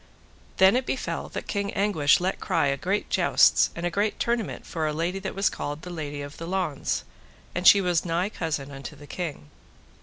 Then it befell that King Anguish let cry a great jousts and a great tournament for a lady that was called the Lady of the Launds, and she was nigh cousin unto the king.